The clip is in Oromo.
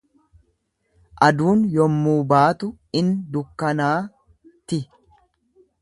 Aduun yommuu baatu in dukkanaa’ti.